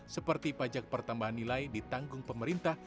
seperti pajak pertambahan nilai ditanggung pemerintah